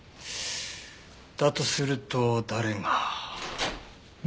だとすると誰が。